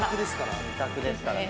２択ですからね。